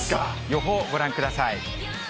予報、ご覧ください。